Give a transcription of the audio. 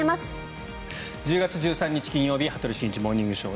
１０月１３日、金曜日「羽鳥慎一モーニングショー」。